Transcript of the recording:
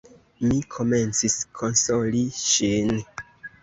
Mi komencis konsoli ŝin.